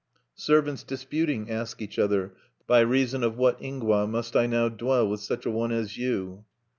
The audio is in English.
Servants disputing, ask each other, "By reason of what ingwa must I now dwell with such a one as you?"